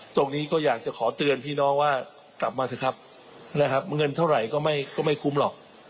ตรงนี้ก็อยากจะขอเตือนพี่น้องว่ากลับมาเถอะครับนะครับเงินเท่าไหร่ก็ไม่คุ้มหรอก